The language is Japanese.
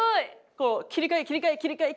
こう切り替え切り替え切り替え切り替えで。